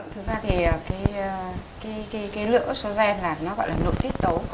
thực ra thì cái lượng asogen là nó gọi là nội tiết tấu